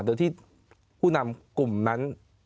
โดยที่ผู้นำกลุ่มนั้น